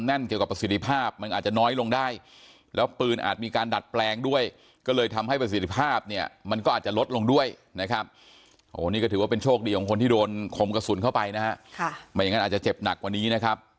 เกี่ยวกับประสิทธิภาพมันอาจจะน้อยลงได้แล้วปืนอาจมีการดัดแปลงด้วยก็เลยทำให้ประสิทธิภาพเนี่ยมันก็อาจจะลดลงด้วยนะครับโอ้นี่ก็ถือว่าเป็นโชคดีของคนที่โดนคมกระสุนเข้าไปนะฮะไม่อย่างนั้นอาจจะเจ็บหนักกว่านี้นะครับ